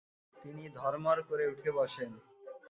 তিনি ধড়মড় করে উঠে বসেন।